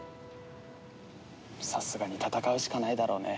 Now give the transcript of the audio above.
さすがに戦うしかないだろうね。